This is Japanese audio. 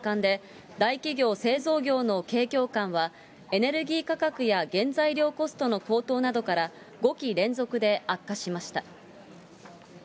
日本銀行がきょう発表した３月の日銀短観で、大企業・製造業の景況感はエネルギー価格や原材料コストの高騰などから、５期連続で悪化しました。